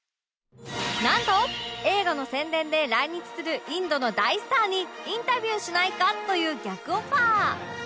なんと映画の宣伝で来日するインドの大スターにインタビューしないか？という逆オファー